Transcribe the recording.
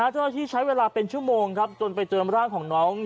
ที่ใช้เวลาเป็นชั่วโมงจนไปเจอร่างของหน้าต้นทริป